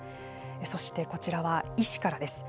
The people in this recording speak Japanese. そして、こちらは医師からです。